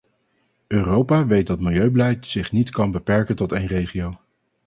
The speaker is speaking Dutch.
Europa weet dat milieubeleid niet zich niet kan beperken tot één regio.